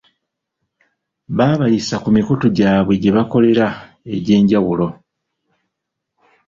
Babayisa ku mikutu gyabwe gye bakolera egyenjawulo.